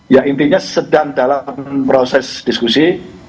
ya intinya sedang dalam proses diskusi